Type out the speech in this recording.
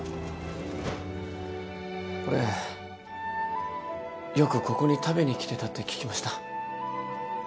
俺よくここに食べに来てたって聞きました。